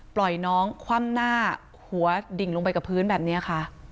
ปล่อยน้องคว่ำหน้าหัวดิ่งลงไปกับพื้นแบบนี้ค่ะ